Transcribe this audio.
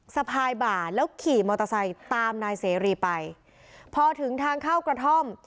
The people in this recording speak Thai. สะพายบ่าแล้วขี่มอเตอร์ไซค์ตามนายเสรีไปพอถึงทางเข้ากระท่อม